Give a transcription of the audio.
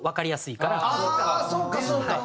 そうか。